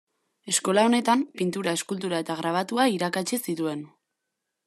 Eskola honetan pintura, eskultura eta grabatua irakatsi zituen.